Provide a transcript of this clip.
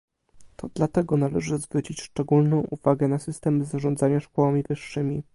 To dlatego należy zwrócić szczególną uwagę na systemy zarządzania szkołami wyższymi